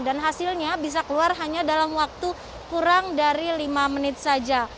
dan hasilnya bisa keluar hanya dalam waktu kurang dari lima menit saja